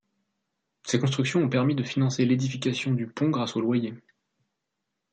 Ces constructions ont permis de financer l'édification du pont grâce aux loyers.